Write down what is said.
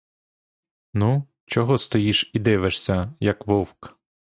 Ну, чого стоїш і дивишся, як вовк?